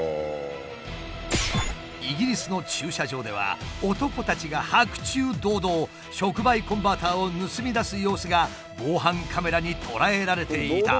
イギリスの駐車場では男たちが白昼堂々触媒コンバーターを盗み出す様子が防犯カメラに捉えられていた。